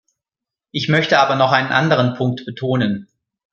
Ich möchte aber noch einen anderen Punkt betonen.